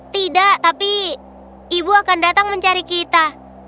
tidak tapi ibu akan datang mencari kita